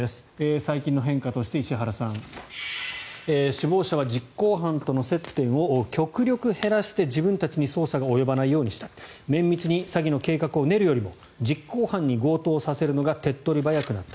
最近の変化として、石原さん首謀者は実行犯との接点を極力減らして自分たちに捜査が及ばないようにした綿密に詐欺の計画を練るよりも実行犯に強盗をさせるほうが手っ取り早くなった。